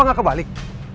apa gak kebalik